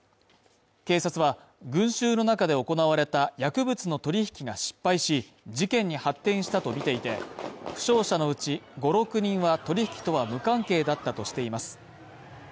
警察は群衆の中で行われた薬物の取引が失敗し事件に発展したとみていて、負傷者のうち５６人は取引とは無関係だったとしていますもんでもくり返すその肩こり